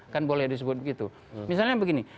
kan boleh disebut begitu misalnya begini